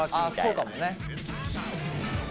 あそうかもね。